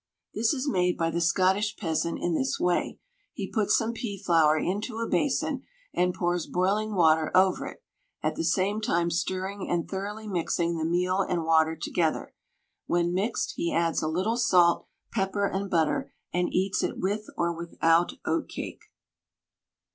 This is made by the Scottish peasant in this way. He puts some pea flour into a basin, and pours boiling water over it, at the same time stirring and thoroughly mixing the meal and water together. When mixed he adds a little salt, pepper, and butter, and eats it with or without oatcake.